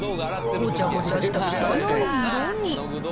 ごちゃごちゃした汚い色に。